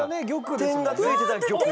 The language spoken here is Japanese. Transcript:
はい点がついてたら玉で。